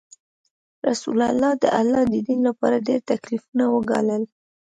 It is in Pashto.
رسول الله د الله د دین لپاره ډیر تکلیفونه وګالل.